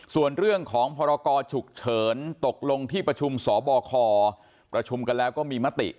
ส่วนเรื่องของพรกรฉุกเฉินตกลงที่ประชุมสบคประชุมกันแล้วก็มีมติ